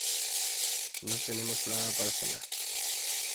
No tenemos nada para cenar.